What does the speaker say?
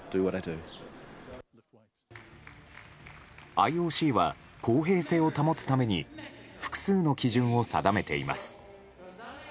ＩＯＣは、公平性を保つために複数の基準を定めています。